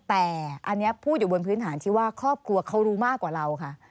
แต่อันนี้พูดอยู่บนพื้นฐานที่ว่าครอบครัวเขารู้มากกว่าเราค่ะ